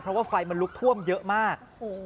เพราะว่าไฟมันลุกท่วมเยอะมาก